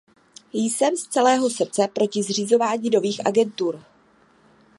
Jsem z celého srdce proti zřizování nových agentur.